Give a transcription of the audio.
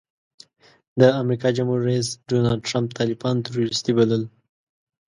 د امریکا جمهور رئیس ډانلډ ټرمپ طالبان ټروریسټي بلل.